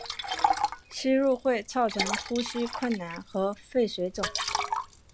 吸入会造成呼吸困难和肺水肿。